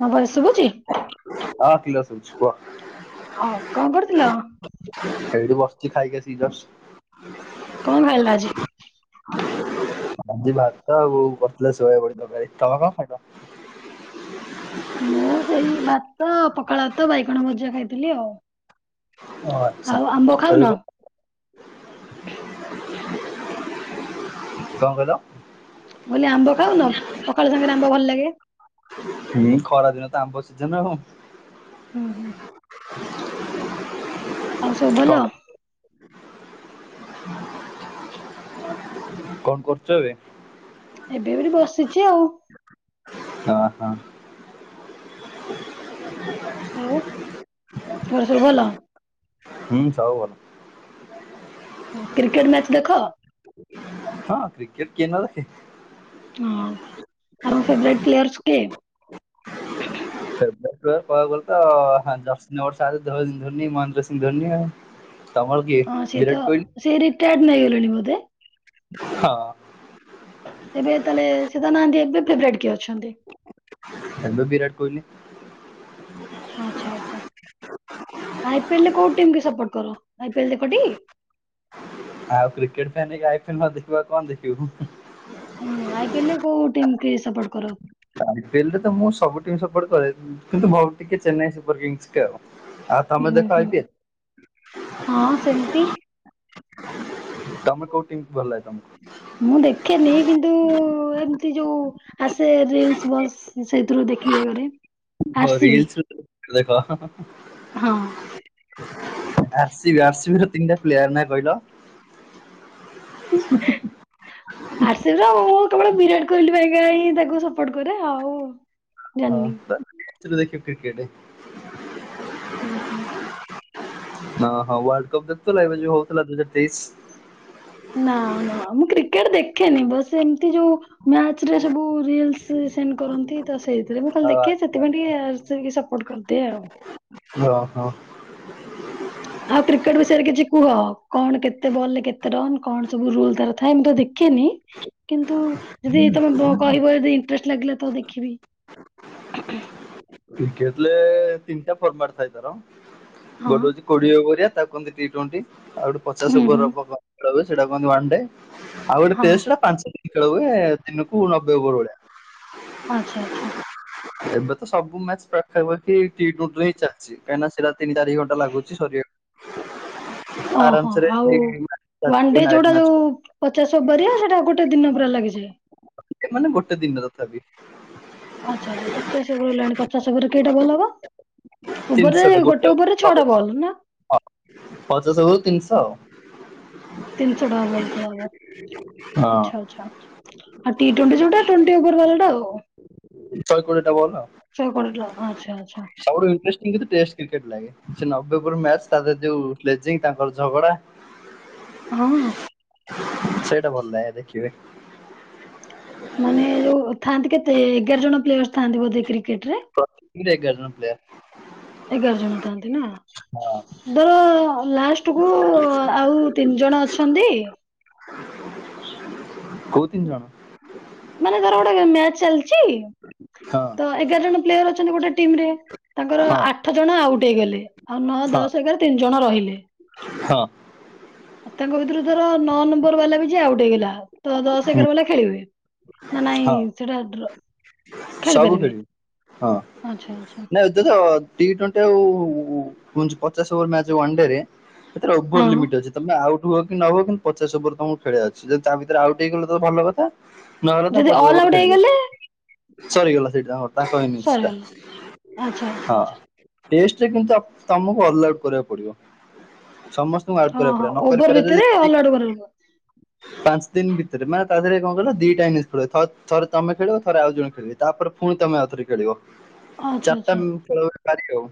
ମୋ କଥା ଶୁଭୁଛି? ହ କ୍ଳିଅର ଶୁଭୁଚି କୁହ। ହଁ କଣ କରୁଥିଲ? ଏଇଠି ବସିଛି ଖାଇକି ଆସିକି ଜଷ୍ଟ। କଣ ଖାଇଲ ଆଜି? [inaudible] ଆଜି ଭାତ ଆଉ କରିଥିଲ ସୋୟାବିନ ତରକାରୀ। ତମେ କଣ ଖାଇଥିଲ? ମୁଁ ସେଇ ଭାତ ପଖାଳ ଭାତ ବାଇଗଣ ଭଜା ଖାଇଥିଲି ଆଉ। ଓ ଆଛା ଆଉ ଆମ୍ବ ଖାଉନ? ଏବେ କଣ କଣ କହିଲ? ବୋଲେ ଆମ୍ବ ଖାଉନ, ପଖାଳ ସାଙ୍ଗରେ ଆମ୍ବ ଭଲ ଲାଗେ। ହୁଁ ଖରା ଦିନ ତ ଆମ୍ବ ସିଜନ ଆଉ। ହୁଁ ହୁଁ। [inaudible] ଆଉ ସବୁ ଭଲ? ହୁଁ କଣ କରୁଛ ଏବେ? ଏବେ ବୋଲି ବସିଛି ଆଉ। ହ ହଁ ଆଉ ଘର ସବୁ ଭଲ? ହୁଁ ସବୁ ଭଲ କ୍ରିକେଟ ମ୍ୟାଚ ଦେଖ? ହଁ କ୍ରିକେଟ କିଏ ନଦେଖେ ହଁ ଆଉ ଆମ ଫେଭରାଇଟ ପ୍ଲେୟର୍ଶ କିଏ? ପ୍ଲେୟର କହିବାକୁ ଗଲେ ତ [unintelligible] ଧୋନି ମହେନ୍ଦ୍ର ସିଂହ ଧୋନି ଆଉ। ତମର କିଏ ହଁ ସିଏ ତ ବିରାଟ କୋହଲି ସିଏ ରିଟାୟାର୍ଡ ନେଇଗଲେଣି ବୋଧେ? ହଁ ଏବେ ତାହେଲେ ସେ ସିଏ ତ ନାହାଁନ୍ତି। ଏବେ ଫେବରାଇଟ କିଏ ଅଛନ୍ତି? ହ୍ୟାଲୋ ବିରାଟ କୋହଲି। ହଁ ଆଚ୍ଛା ଆଚ୍ଛା। ଆଇ ପି ଏଲ ରେ କୋଉ ଟିମକି ସପୋର୍ଟ କର? ଆଇ ପି ଏଲ ଦେଖ ଟି? ଆଉ କ୍ରିକେଟ ଫ୍ୟାନ ହେଇକି ଆଇ ପି ଏଲ ନ ଦେଖିବୁ, ଆଉ କଣ ଦେଖିବୁ? କିଏ ସପୋର୍ଟ କର? ଆଇ ପି ଏଲ ରେ ତ ମୁଁ ସବୁ ଟିମ ସପୋର୍ଟ କରେ। କିନ୍ତୁ ବହୁତ ଟିକେ ଚେନ୍ନାଇ ସୁପର କିଙ୍ଗସ୍ କି ଆଉ। ଆଉ ତମେ ଦେଖ ଆଇପିଏଲ ହୁଁ-ହୁଁ-ହଁ ସେମତି ତମେ କୋଉ ଟିମ୍ ଭଲ ଲାଗେ ତମକୁ? ମୁଁ ଦେଖେନି କିନ୍ତୁ ଏମତି ଯୋଉ ଆସେ ରିଲସ ବସ୍ ସେଇଥିରୁ ଦେଖି ଯା କରେ ଓ ଆରସିବି ରିଲ୍ସ ରେ ଦେଖ ହଁ ହଁ। ହଁ R C B R C B ର ତିନିଟା ପ୍ଲେୟାର ନାଁ କହିଲ? [inaudible] ଆର ସି ବି ର ମୁଁ କେବଳ ବିରାଟ କୋହଲି ପାଇଁକା ହିଁ ତାକୁ ସପୋର୍ଟ କରେ ଆଉ ହଁ ଜାଣିନି ତାହେଲେ [unintelligible] କ୍ରିକେଟ ହୁଁ ହୁଁ। ହଁ ହଁ ୱାର୍ଲ୍ଡ କପ ଦେଖୁଥିଲ ଏବେ ଯୋଉ ହଉଥିଲା ଦୁଇ ହଜାର ତେଇଶ? ନା ନା ମୁଁ କ୍ରିକେଟ ଦେଖେନି। ବସ ଏମତି ଯୋଉ ମ୍ୟାଚରେ ସବୁ ରିଲ୍ସ ସେଣ୍ଡ କରନ୍ତି ତ ସେଇଥିରେ ମୁଁ ଖାଲି ହଁ ଦେଖେ ଆଚ୍ଛା ସେଥିପାଇଁ ଟିକେ [unintelligible] ସପୋର୍ଟ କରିଦିଏ ଆଉ। ହଁ ହଁ। ଆଉ କ୍ରିକେଟ ବିଷୟରେ କିଛି କୁହ। କଣ କେତେ ବଲ ରେ କେତେ ରନ୍ କଣ ସବୁ ରୁଲ ତାର ଥାଏ? ମୁଁ ତ ଦେଖିନି କିନ୍ତୁ ଯଦି ତମେ କହିବ ଯଦି ଇଣ୍ଟରେଷ୍ଟ ଲାଗିଲା ତ ଦେଖିବି। କ୍ରିକେଟରେ ତିନିଟା ଫର୍ମାଟଥାଏ ତାର, ହଁ ଗୋଟେ ହଉଚି କୋଡିଏ ଓଭରିଆ ତାକୁ କହନ୍ତି ଟି ଟ୍ବେଣ୍ଟି, ଆଉ ଗୋଟେ ହୁଁ ପଚାଶ ହୁଁ ଓଭରର [unintelligible] ସେଟା କହନ୍ତି ୱାନ୍ ଡେ ଆଉ ଗୋଟେ ହଁ ଟେଷ୍ଟଟା ପାଞ୍ଚ ଦିନି ଖେଳ ହୁଏ ଦିନକୁ ନବେ ଓଭର ଭଳିଆ। ଆଚ୍ଛା ଆଚ୍ଛା ଏବେ ତ ସବୁ ମ୍ୟାଚ ପାଖାପାଖି ଟି ଟ୍ବେଣ୍ଟି ରେ ହିଁ ଚାଲିଚି। କାଇଁନା ସେଟା ତିନି ଚାରି ଘଣ୍ଟା ଲାଗୁଛି ସରିବାକୁ ଓହୋ। ଆରାମସରେ ଆଉ ଏଇ ମ୍ୟାଚ୍ ୱାନ୍ ଚାଲିଯିବ ଡେ ନାଇଟ୍ ଯୋଉଟା ଯୋଉ ମ୍ୟାଚ୍ ପଚାଶ ଓଭରିଆ ସେଇଟା ଗୋଟେ ଦିନ ପୁରା ଲାଗିଯାଏ। ମାନେ ଗୋଟେ ଦିନ ତଥାପି ଆଚ୍ଛା ଆଚ୍ଛା ପଚାଶ ଓଭର ହେଲାଣି ପଚାଶ ଗୋଟେ ଓଭରରେ କେଇଟା ବଲ୍ ହବ? ଓଭରରେ ଗୋଟେ ଓଭରରେ ଛଅଟା ବଲ୍ ନା? ପଚାଶ ଓଭର୍ କୁ ତିନିଶହ ଆଉ। ତିନି ଶହଟା ବଲ ଖେଳହବ। ଆଚ୍ଛା ଆଚ୍ଛା। ଆ ଟି ଟ୍ବେଣ୍ଟି ଯୋଉଟା ଟ୍ବେଣ୍ଟି ଓଭର ବାଲା ଟା ଆଉ। ହଁ ଶହେ କୋଡିଏଟା ବଲ୍ ଆଉ। ଶହେ କୋଡିଏ ଟଙ୍କା ଆଚ୍ଛା ଆଚ୍ଛା ସବୁଠୁ ଇଣ୍ଟ୍ରେଷ୍ଟିଙ୍ଗ କିନ୍ତୁ ଟେଷ୍ଟ କ୍ରିକେଟ୍ ଲାଗେ। ସେ ନବେ ଓଭର ମ୍ୟାଚ୍ ତା ଧେରେ ଯୋଉ ଗ୍ଲେଜିଙ୍ଗ ତାଙ୍କର ଝଗଡା ହଁ ସେଇଟା ଭଲ ଲାଗେ ଦେଖିବେ। ମାନେ ଯୋଉ ଥାନ୍ତି କେତେ ଏଗାର ଜଣ ପ୍ଲେୟର ଥାନ୍ତି ବୋଧେ କ୍ରିକେଟରେ? ପ୍ରତି ଏଗାର ଜଣ ପ୍ଲେୟର। ଏଗାର ଜଣ ଥାନ୍ତି ନା। ହଁ ଧର ଲାଷ୍ଟକୁ ଆଉ ତିନି ଜଣ ଅଛନ୍ତି ଆ [inaudible] ମାନେ ତାର ଗୋଟେ ମ୍ୟାଚ ଚାଲିଛି ହଁ ତ ଏଗାର ଜଣ ପ୍ଲେୟର ଅଛନ୍ତି ଗୋଟେ ଟିମ ରେ ତାଙ୍କର ହଁ ଆଠ ଜଣ ଆଉଟ୍ ହେଇଗଲେ ଆଉ ନଅ ହଁ ଦଶ ଏଗାର ତିନି ଜଣ ରହିଲେ ହଁ ତାଙ୍କ ଭିତରୁ ଧର ନଅ ନମ୍ବର ବାଲା ବି ଯିଏ ଆଉଟ୍ ହେଇଗଲା ତ ଦଶ ହୁଁ, ଏଗାର ବାଲା ଖେଳିବେ ନାଁ ନାଇ ହଁ ସେଟା ଡ୍ର ଖେଳି ସବୁ ପାରିବେ ଖେଳିବେ ହଁ ଆଚ୍ଛା ଆଚ୍ଛା ନାଇ ଦେଖ ଟି ଟୋ ଣ୍ଟି ପଚାଶ ଓଭର୍ ମ୍ୟାଚ ୱାନ୍ ଡେରେ ହଁ ଓଭର୍ ଲିମିଟ୍ ଅଛି ତମେ ଆଉ ହୁଅ କି ନ ହୁଅ କି ପଚାଶ ଉପରେ ତମକୁ ଖେଳିବାର ଅଛି ଯଦି ତା ଭିତରେ ଆଉଟ ହେଇ ଗଲ ତ ଭଲ କଥା। ନହେଲେ ତମେ ଯଦି ପଚାଶ ଅଲ୍ ଓଭର୍ ଆଉଟ୍ ଖେଳିବ। ହେଇଗଲେ ସରିଗଲା ସେଇଠି ତାଙ୍କର ତାଙ୍କ ଇନଂଷ୍ଟା ସରିଗଲା ଆଚ୍ଛା ଆଚ୍ଛା ହଁ ଆଚ୍ଛା ଟେଷ୍ଟ ରେ କିନ୍ତୁ ତମକୁ ଅଲ ଆଉଟ କରିବାକୁ ପଡିବ। ସମସ୍ତଙ୍କୁ ଆଉଟ କରିବାକୁ ପଡିବ ନ କରିପାରିବା ଯଦି ପାଞ୍ଚ ଦିନ ଭିତରେ ମାନେ ତା ଦେହେରେ କଣ କହିଲ ଦିଟା ଇନିସ୍ଖେଳିବ ଥରେ ତମେ ଖେଳିଵ ଥରେ ଆଉ ଜଣେ ଖେଳିବେ ତାପରେ ପୁଣି ତମେ ଆଉଥରେ ଖେଳିବ ଚାରିଟା ଖେଳ ପାରି ଆଉ।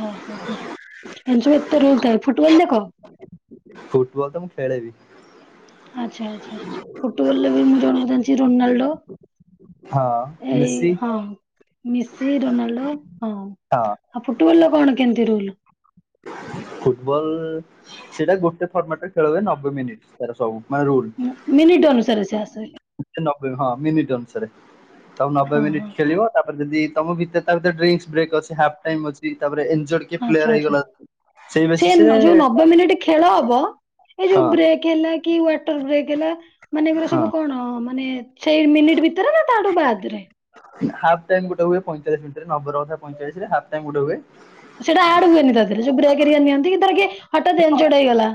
ଓହୋ ହୋ ଏମତ ସବୁ ଏତେ ରୋଲ ଥାଏ ଫୁଟବଲ ଦେଖ? ଖେଳେ ବି। ଆଚ୍ଛା ଆଚ୍ଛା ଫୁଟବଲରେ ବି ମୁଁ ଜଣକୁ ଜାଣିଛି ରୋନାଲ୍ଡୋ। ହଁ ଏଇ ମେସି ହଁ। ମିସି ରୋନାଲଡୋ ହଁ ହଁ। ଆଉ ଫୁଟବଲ ର କଣ କେମିତି ରୁଲ? ଫୁଟବଲ ସେଇଟା ଗୋ ଖେଲିବେ ନବେ ମିନିଟ ତାର ସବୁ ମାନେ ରୁଲ ମିନିଟ ଅନୁସାରେ ସେ ଆସେ ନବେ ହଁ ମିନଟ ଅନୁ ତ ନବେ ହଁ ହଁ ମିନିଟ୍ ଖେଳିବ ତାପରେ ଯଦି ତମ ଭିତରେ ତା ଭିତରେ ଡ୍ରିଂକ୍ସ ବ୍ରେକ ହାଫ୍ ଟାଇମ୍ ଅଛି। ତାପରେ ଏନଜୋଡ୍ କିଏ ଆଚ୍ଛା ପ୍ଲେୟାର ଆଚ୍ଛା। ହେଇଗଲା ସେଇ ସେ ବେସିସ ରେ ଯୋଉ ନବେ ମିନିଟ ଖେଳ ହବ ଏ ଯୋଉ ହଁ ବ୍ରେକ୍ ହେଲା କି ୱାଟର ବ୍ରେକ ହେଲା ମାନେ ଏଗୁରା ହଁ ସବୁ କଣ ମାନେ ସେଇ ମିନିଟ ଭିତରେ ନା ତାଠୁ ବାଦରେ? ହାଫ ଟାଇମ ଗୋଟେ ହଏ ପଇଁଚାଳିଶ ମିନିଟରେ ନବେରନ ପଇଁଚାଳିଶରେ ହାପ ଟାଇମଗୁଟେ ହୁଏ। ସେଇଟା ଆଡ ହୁଏନି ତା ଦେହରେ ଯୋଉ ବ୍ରେକ୍ ନିଅନ୍ତି ଧର କିଏ ହଠାତ୍ ଏଞ୍ଜୋଡ଼ ହେଇଗଲା।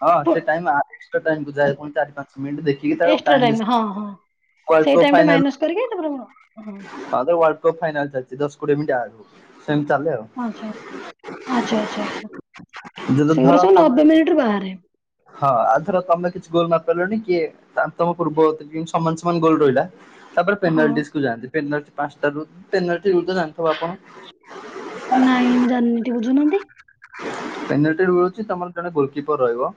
ହଁ ପୁ ସେ ଟାଇମ ଆ ସେ ଟାଇମକୁ ଯାଏ ପୁଣି ଚାରି ପାଞ୍ଚ ମିନଟ ଦେଖିକି ତାକୁ ଏକ୍ସଟ୍ରା ଟାଇମ ବିସ ହଁ ହଁ [inaudible] ସେଇ କରି ଟାଇମ ଟା ଫାଇନାଲ ମାଇନସ୍ କରିକି ତାପରେ ମୁଁ ହଁ ତାପରେ ତ ୱଲଡ କପ ଫାଇନାଲ ଚାଲିଛି ଦଶ କୋଡିଏ ମିନିଟ୍ ଆଡ଼ ହଉ ଆଛା ଆଛା ଆଚ୍ଛା ଆଛା। ଯ ଧର ତମେ ବାହାରେ ହଁ ଆଉ ଧର ତମେ କିଛି ଗୋଲ ମାର କଲୁଣି କିଏ ତାଙ୍କ ତମ ପୂର୍ବଗତ ସମାନ ସମାନ ଗୋଲ ରହିଲା ତାପରେ ହଁ ପେନାଲଟିସକୁୁ ଯାନ୍ତି ପେନାଲ୍ଟି ପାଞ୍ଚଟାରୁ ପେନାଲ୍ଟି ବୋଧେ ଜାଣିଥିବ ଆପଣ? ନାଇଁ ମୁଁ ଜାଣିନି ଟିକେ ବୁଝୁନାହାନ୍ତି ପେନାଲଟି ମିଳୁଛି ତମର ଜଣେ ଗୋଲକିପର ରହିବ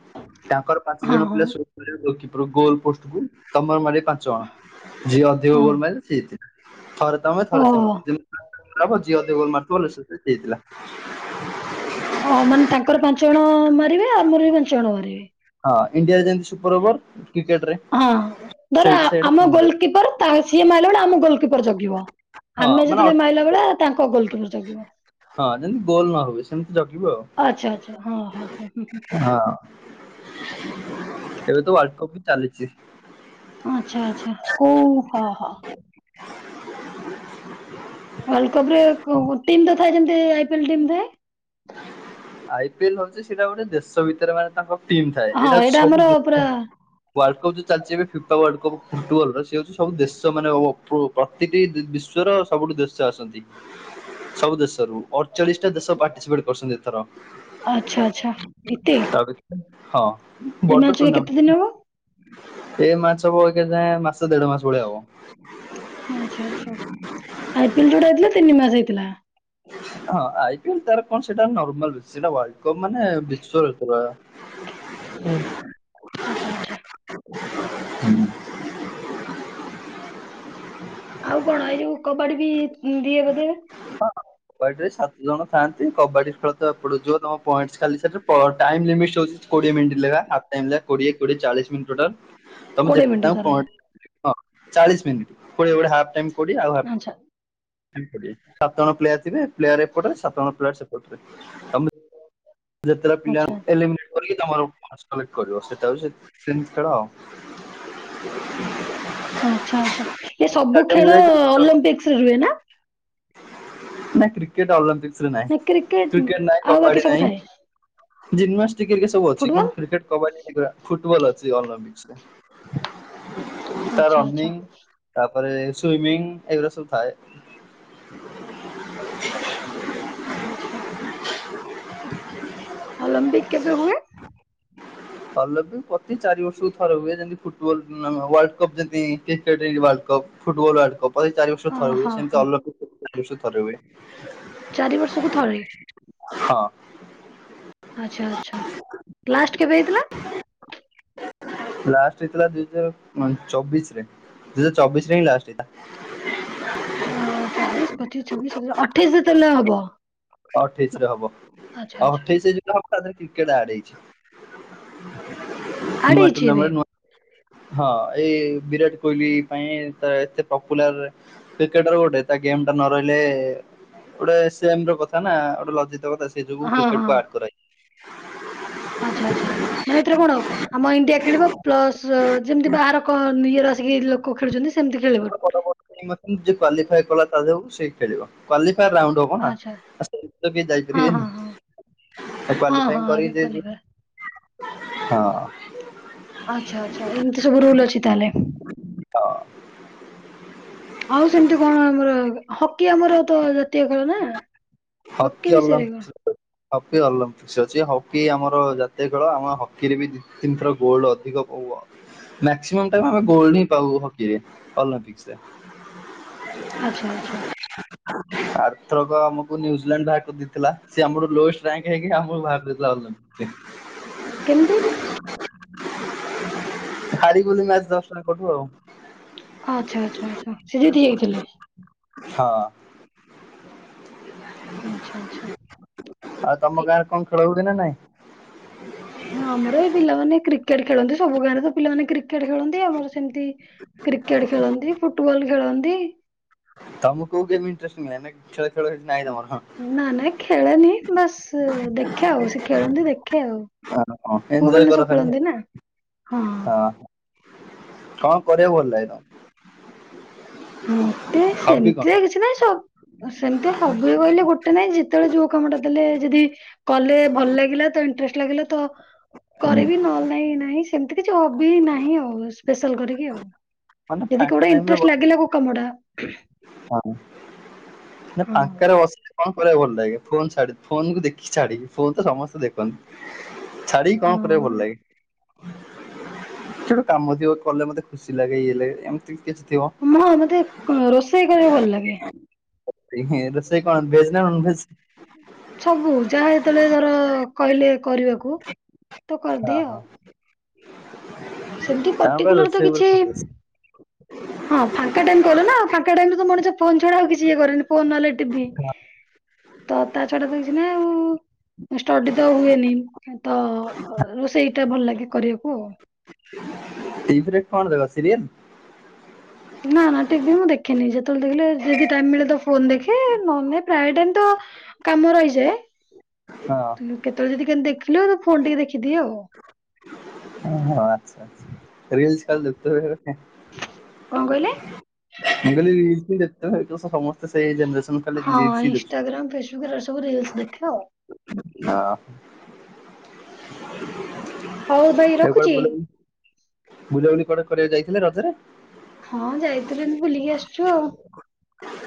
ତାଙ୍କର ପାଞ୍ଚ ହଁ ଜଣ ହଁ ପିଲା ସେପରେ ଗୋଲକିପର ଗୋଲ ପୋଷ୍ଟ ଗୁଲ ତମର ମାରିବେ ପାଞ୍ଚ ଜଣ ଯିଏ ଅଧିକ ହଁ ଗୋଲ ମାରିଲେ ସିଏ ଜିତିଲା। ଥରେ ତମେ ଥରେ ଓହୋ ସେମିତି ଯେମ ଯିଏ ଯେତେ ଗୋଲ ମାରୁଥିବ ସିଏ ଜିତିଲା ଓ ମାନେ ତାଙ୍କର ପାଞ୍ଚ ଜଣ ମାରିବେ ଆମରବି ପାଞ୍ଚ ଜଣ ମାରିବେ। ହଁ ଇଣ୍ଡିଆରେ ଯେମତି ସୁପର ଓଭର କ୍ରିକେଟରେ ହଁ ଧର ସେଇଠି ସେଇଟା ଆମ ଗୋଲ ହଁ କିିପର ତାର ସିଏ ମାଇଲା ବେଳେ ଆମ ଗୋଲ କିିପର ଜଗିବ। ଆମେ ମାନେ ଯେତେବେଳେ ମାଇଲା ବେଳେ ତାଙ୍କ ଗୋଲକିପର ଜଗିବ ହଁ ଯେମିତି ଗୋଲ ନ ହୁଏ ସେମିତି ଜଗିବୁ ଆଚ୍ଛା ଆଚ୍ଛା ହଁ ହଁ ହଁ ଆଉ। ହୁଁ ହୁଁ ହଁ ଏବେ ତ ୱାର୍ଲଡ କପ୍ ବି ଚାଲିଛି। ଆଚ୍ଛା-ଆଚ୍ଛା କୋଉ ହ-ହ। ୱଲ କପରେ ଟି ତ ଥାଏ ଯେମତି ଆଇ ପିଏଲ ଟି ଥାଏ ଆଇ ପି ଏଲ ହଉଛି ସେଇଟା ଗୋଟେ ଦେଶ ଭିତରେ ମାନେ ତାଙ୍କ ଟିମ୍ ଥାଏ ହଁ ଏଇଟା ହେଉଛି ସବୁ ଆମର ପୁରା ଦେଶ। ୱାର୍ଲଡ଼ କପ୍ ଯୋଉ ଚାଲିଛି ଏବେ ଫିଫା ୱାର୍ଲଡ଼ କପ୍ ଫୁଟବଲର ସେ ହେଉ ସବୁ ଦେଶ ମାନେ ପ୍ରତିଟି ବିଶ୍ୱର ସବୁଠୁ ଦେଶ ଆସନ୍ତି ସବୁ ଦେଶରୁ ଅଠଚାଳିଶ ଟା ଦେଶ ପା କରଛନ୍ତି ଏଥର ଆଚ୍ଛା ଆଚ୍ଛା [unintelligible] ହଁ ଏଇ ବଡ ମ୍ୟାଚ ଏବେ କେତେ ଟୁର୍ଣ୍ଣାମେଣ୍ଟ ଦିନ ହବ। ଏ ମ୍ୟାଚ ହବ ଅଇଖା ଯାଁଏ ମାସେ। ଦେଢ଼ ମାସ ଭଳିଆ ହବ। ଆଚ୍ଛା ଆଚ୍ଛା ଆଇ ପି ଏଲ ଯୋଉଟା ହେଇଥିଲା ତିନି ମାସ ହେଇଥିଲା। ହଁ ଆଇ ପି ଏଲ ତାର କଣ ସେଟା ନର୍ମାଲ ସେଇଟା କପ୍ ମାନେ ବିଶ୍ଵରେ ପୁରା। ଆଚ୍ଛା ଆଚ୍ଛା ହନ ଆଉ କଣ ଏଇ ଯୋଉ କବାଡି ବି ଦିଏ ବୋଧେ। କବାଡି ରେ ସାତ ଜଣ ଥାଆନ୍ତି କବାଡି ଖେଳ ତ ଏପଟ ଯୋଉ ପଏଣ୍ଟସ୍ ଖାଲି ସେଥିରେ ଟାଇମ୍ ଲିମିଣ୍ଟସ୍ ହଉଛି କୋଡିଏ ମିନିଟ୍ ଲେଖା ହାପ୍ ଟାଇମ୍ ଯାହା କୋଡିଏ-କୋଡିଏ ଚାଳିଶ୍ ମିନିଟ୍ ଟୋଟାଲ। ତମେ କୋଡିଏ ଯେତେ ମିନିଟ ତାଙ୍କୁ ଥରେ ପଏଣ୍ଟ ହଁ ଚାଳିଶ୍ ମିନିଟ୍ କୋଡିଏ- କୋଡିଏ ହାପ୍ ଟାଇମ୍ କୋଡିଏ ଆଉ ହାପ୍ ଆଚ୍ଛା ସାତ ଜଣ ପ୍ଲେୟାର ଥିବେ ପ୍ଲେୟାର ଏପଟରେ ସାତ ଜଣ ପ୍ଲେୟାର ସେପଟରେ। ତମେ ହ ଯେତେଟା ପିଲା ଏଲିମିନେଟ୍ କରିବେ ତମର ପଏଣ୍ଟସ୍ କଲ୍କେଟ୍ କରିବ ସେଟା ହଉଛି ସେମିତି ଖେଳ ଆଉ। ଆଚ୍ଛା-ଆଚ୍ଛା ଏ ସବୁ ଷ୍ଟାଡିୟମକୁ ଖେଳ ଅଲମ୍ପିକ୍ସ ରେ ରୁହେ ନା? ନାଇ କ୍ରିକେଟ ଅଲମ୍ପିକ୍ସରେ ନାହିଁ କ୍ରିକେଟ ନାହିଁ ଆଉ ବାକି କବାଡି ସବୁ ନାହିଁ। ଥାଏ ଜିମ୍ନାଷ୍ଟିକ୍ ହେରିକା ସବୁ ଅଛି ଫୁଟବଲ କିନ୍ତୁ କ୍ରିକେଟ କବାଡି ଏଗୁରା ଫୁଟବଲ ଅଛି ଅଲମ୍ପିକ୍ସରେ। ତା ଆଚ୍ଛା ଆଚ୍ଛା ରନିଂ ତା ତାପରେ ସୁଇମିଙ୍ଗ ଏଗୁରା ସବୁ ଥାଏ। ଆଚ୍ଛା-ଆଚ୍ଛା। ଅଲମ୍ପିକ୍ କେବେ ହୁଏ? ଅଲମ୍ପିକ୍ ପ୍ରତି ଚାରି ବର୍ଷକୁ ଥର ହୁଏ ଯେମିତି ଫୁଟବଲ ଟୁର୍ଣ୍ଣାମେଣ୍ଟ ହଉ ଓ୍ବାଲ୍ଡ କପ୍ ଯେମିତି cricket world cup. Football world cup ପରି ଚାରି ବର୍ଷରେ ଅ ଥରେ ହୁଏ ହଁ ସେମିତି ହଁ ଅଲମ୍ପିକ୍ ଚାର ବର୍ଷରେ ଥରେ ହୁଏ। ଚାରି ବର୍ଷକୁ ଥରେ ହଁ। ଆଚ୍ଛା-ଆଚ୍ଛା ଲାଷ୍ଟ କେବେ ହେଇଥିଲା? ଲାଷ୍ଟ ହେଇଥିଲା ଦୁଇ ହଜାର ଚବିଶ ରେ। ଦୁଇ ହଜାର ଚବିଶ ରେ ହିଁ ଲାଷ୍ଟ ହେଇଥିଲା। ଅ ଚବିଶ, ପଚିଶ, ଛବିଶ, ସତେଇଶ, ଅଠେଇଶ ରେ ତାହେଲେ ହବ। ଅଠେଇଶ ରେ ହବ, ଆଚ୍ଛା ଆଚ୍ଛା ଅଠେଇଶ ଯେବେ ହବ ତା ଦେହରେ କ୍ରିକେଟ ଆଡ ହେଇଛି। ଆଡ୍ ନୂଆ ହେଇଛି ଏବେ ଟୁର୍ଣ୍ଣାମେଣ୍ଟ ନୂଆ ହଁ ଏଇ ବିରାଟ କୋହଲି ପାଇଁ ତ ଏତେ ପପୁଲାର କ୍ରିକେଟର ଗୋଟେ ତା ଗେମ୍ ଟା ନ ରହିଲେ ଗୋଟେ ସେମ ର କଥା ତାନା ଗୋଟେ ଲଜ୍ଜିତ କଥା ସେଇଯୋଗୁ କ୍ରିକେଟ କୁ ଆଡ କରାହେଇଛି। ଆଚ୍ଛା-ଆଚ୍ଛା ମାନେ ଏଥିରେ କଣ ଆମ ଇଣ୍ଡିଆ ଖେଳିବ ପ୍ଲସ ଯେମିତି ବାହାର କ ନିଅର ଆସିକି ଲୋକ ଖେଳୁଛନ୍ତି ସେମିତି ଖେଳିବ। ଯିଏ କ୍ୱାଲିଫାଏ କଲା ତା ଦେହକୁ ସେଇ ଖେଳିବ। କ୍ୱାଲିଫାଏ ରାଉଣ୍ଡ ହବ ନା ଆଚ୍ଛା ସେମିତି ତ କେହି ହଁ ହଁ ହଁ ଯାଇପାରିବେନି। ହଁ ହଁ କ୍ୱାଲିଫାଏ କରି ଆଗେ ଯିଏ କ୍ୱାଲିଫାଏ ଯିବ ହଁ। ଆଚ୍ଛା ଆଚ୍ଛା ଏମିତି ସବୁ ରୁଲ ଅଛି ତାହେଲେ ହଁ ଆଉ ସେମତି କଣ ଆମର ହକି ଆମର ତ ଜାତୀୟ ଖେଳ ନା ହକି ବିଷୟରେ କଣ? ଅଲମ୍ପିକ୍ସ ହକି ଅଲମ୍ପିକ୍ସ ଅଛି ହଁ। ହକି ଆମର ଜାତୀୟ ଖେଳ ଆମ ହକିରେ ବି ଦି ତିନିଥର ଗୋଲଡ ଅଧିକ ମାକ୍ସିଇମମ ଗୋଲଡ ପାଉ ହକିରେ ଅଲମ୍ପିକ୍ସରେ ଆଚ୍ଛା ଆଚ୍ଛା। ଆରଥରକୁ ଆମକୁ ନ୍ୟୁଜିଲାଣ୍ଡ ବାହାର କରି ଦେଇଥିଲା ସେ ଆମର ଲୋଏଷ୍ଟ ରାଙ୍କ ହେଇକି ଆମକୁ ବାହାର କରିଦେଇଥିଲା ଅଲମ୍ପିପୀକ୍ସ ରେ କେମିତି ହାଡ଼ି କଲି ମ୍ୟାଚ ଦଶ ଟା କଟୁ ଆଉ। ଆଚ୍ଛା ଆଚ୍ଛା ଆଚ୍ଛା ସେ ଜିତି ଯାଇଥିଲେ। ହଁ। ଆଚ୍ଛା ଆଚ୍ଛା। ଆଉ ତମ ଏ- ଗାଁରେ କଣ ଖେଳ ହଉଛି ନା ନାଇଁ? ହଁ ଆମର ଏଇ ପିଲାମାନେ କ୍ରିକେଟ ଖେଳନ୍ତି ସବୁ ଗାଁରେ ତ ପିଲାମାନେ କ୍ରିକେଟ ଖେଳନ୍ତି ଆମର ସେମିତି କ୍ରିକେଟ ଖେଳନ୍ତି, ଫୁଟବଲ ଖେଳନ୍ତି। ତମକୁ କୋଉ ଗେମ ଇଂଟରେଷ୍ଟ ମିଳେ। ଖେଳ କିଛି ନାହିଁ ତମର? ନା ନା ଖେଲେନି ବାସ ଦେଖେ ଆଉ ସେ ଖେଳନ୍ତି ଦେଖ ଏଞଜୟ କର ଖାଲି ନା ହଁ ହ। କଣ କରିବାକୁ ଭଲ ଲାଗେ ତମକୁ? ମତେ ହବି କଣ? ସେମିତିରେ କିଛି ନାହିଁ ସବୁ ସେମିତି ହବ ବୋଲି କହିଲେ ଗୋଟେ ନାଇଁ ଯେତେବେଳେ ଯୋଉ କାମଟା ଦେଲେ ଯଦି କଲେ ଭଲ ଲାଗିଲା ତ ଇଣ୍ଟରେଷ୍ଟ ଲାଗିଲା ତ କରିବି ନହେଲେ ନାଇଁ ନାହିଁ ସେମିତି କିଛି ହବି ନାହିଁ ଆଉ ସ୍ପେଶାଲ କରିକି ଆଉ। ମାନେ ଯଦି ଫାଙ୍କା କେଉଟା ଟାଇମ୍ ରେ ଇଂଟରେଷ୍ଟ ଲାଗିଲା କୋଉ କାମଟା ହଁ ହଁ ଫାଙ୍କାରେ ବସିଲେ କଣ? ଭଲ ଫୋନ୍ ଛାଡିକି ଫୋନ କ ଦେଖିକି ଛାଡିକି ଫୋନ ତ ସମସ୍ତେ ଦେଖନ୍ତି। ଛାଡ଼ି କଣ କରିବା ଭଲ ଲାଗେ? ହଁ କିଛି ଗୋଟେ କାମ ଥିବ କଲେ ମତେ ଖୁସି ଲାଗେ ଇଏ ଲାଗେ ଏମିତି କିଛି ଥିବ। ହଁ ମତେ ରୋଷେଇ କରିବା ଭଲ ଲାଗେ। ର ସେଇ କଣ ଭେଜ ନା ନନ ଭେଜ? ସବୁ ଯାହା ଯେତେବେଳେ ଧର କହିଲେ କରିବାକୁ ତ କରିଦିଏ ଓହୋ ଆଉ। ସେମିତି ତମର ପା ପର୍ଟିକୁଲାର ତ ରୋଷେଇ ଉପରେ କିଛି ଫୋକସ। ହଁ ଫାଙ୍କା ଟାଇମ୍ କହିଲ ନା ଫାଙ୍କା ଟାଇମ୍ ରେ ତ ଫୋନ ଛଡା ଆଉ କିଛି ଇଏ କରେନି ଫୋନ ନହେଲେ ଟିଭି ତ ତା ଛଡା ତ କିଛି ନା ଆଉ। ଷ୍ଟଡି ତ ହୁଏନି ତ ରୋଷେଇଟା ଭଲ ଲାଗେ କରିବାକୁ ଆଉ। ଟିଭିରେ କଣ ଦେଖ ସିରିଏଲ? ନା ନା ଟିଭି ମୁଁ ଦେଖେନି ଦେଖିଲେ ଯଦି ଟାଇ ମିଳେ ତ ଫୋନ ଦେଖେ ନହେଲେ ନଁ ପ୍ରାୟ ଟାଇ ତ କାମ ରହିଯାଏ ହଁ କେତେବେଳେ ଯଦି କେମତି ଦେଖିଲ ଫୋନ ଟିକେ ଦେଖିଦିଅ ଆଉ। ଓଁ ଆଛା ଆଛା ରିଲ୍ସ ଖାକି ଦେଖେ। କଣ କହିଲେ? ମୁ ଯେତେ ସମସ୍ତେ [inaudible] ସେଇ ଜନରେସନ କାଲି ହଁ ରିଲ୍ସ ଇନଷ୍ଟାଗ୍ରାମ ଫେସବୁକ୍ ରେ ସବୁ ରିଲସ ଦେଖୁଛ। ଦେଖେ ଆଉ। ହଁ। ହଉ ଭାଇ ଆ କଣ ରଖୁଛି। ବୁଲାବୁଲି ବୁଲାବୁଲି କଣ କରିବାକୁ ଯାଇ ଥିଲେ ରଜରେ। ହଁ ଯାଇଥିଲି ଏମତି ବୁଲିକି ଆସିଛୁ ଆଉ।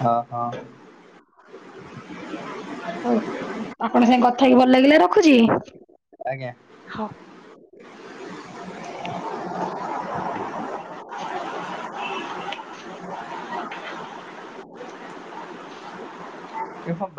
ହଁ ହଁ। ହଉ ଆପଣ ସାଙ୍ଗେ କଥା କି ଭଲ ଲାଗିଲା ରଖୁଛି। ଆଜ୍ଞା ହଉ। [inaudible] [inaudible] [inaudible] [inaudible] ଏ ହବା